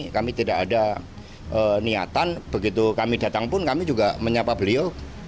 kami tidak ada niatan begitu kami datang pun kami juga menyapa beliau